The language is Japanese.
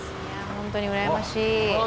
本当にうらやましい。